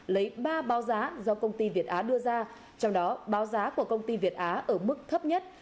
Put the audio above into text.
lấy ba báo giá do công ty việt á đưa ra trong đó báo giá của công ty việt á ở mức thấp nhất